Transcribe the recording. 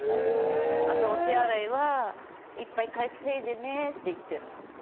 あとお手洗いはいっぱい稼いでねって言ってる。